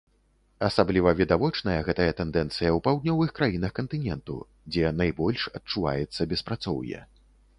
Асабліва відавочная гэтая тэндэнцыя ў паўднёвых краінах кантыненту, дзе найбольш адчуваецца беспрацоўе.